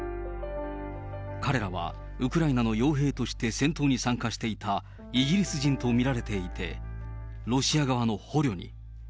彼らはウクライナのよう兵として戦闘に参加していたイギリス人と見られていて、ロシア側の捕虜に。